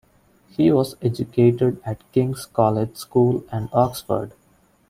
He was educated at King's College School and Oxford.